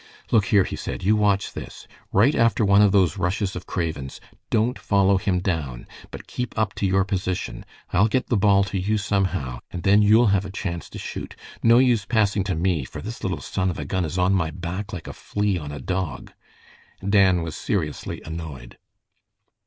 "Look here," he said, "you watch this. Right after one of those rushes of Craven's, don't follow him down, but keep up to your position. I'll get the ball to you somehow, and then you'll have a chance to shoot. No use passing to me, for this little son of a gun is on my back like a flea on a dog." Dan was seriously annoyed.